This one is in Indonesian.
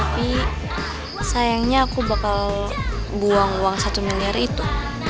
tapi sayangnya aku bakal buang uang satu miliar itu